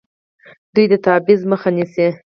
دوی د تبعیض مخه نیسي.